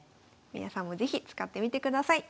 皆さんも是非使ってみてください。